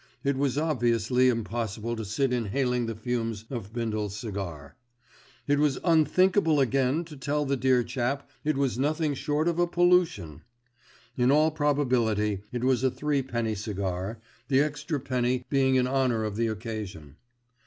It was obviously impossible to sit inhaling the fumes of Bindle's cigar. It was unthinkable again to tell the dear chap it was nothing short of a pollution. In all probability it was a threepenny cigar, the extra penny being in honour of the occasion.